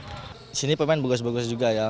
di sini pemain bagus juga ya